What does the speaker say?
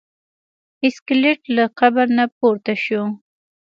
سکلیټ له قبر نه پورته شو.